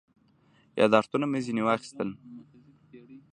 یاداښتونه مې ځنې واخیستل.